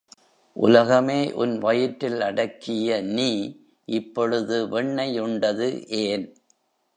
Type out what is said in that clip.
உலகமே உன் வயிற்றில் அடக்கிய நீ இப்பொழுது வெண்ணெய் உண்டது ஏன்?